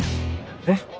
えっ？